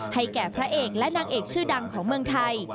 แก่พระเอกและนางเอกชื่อดังของเมืองไทย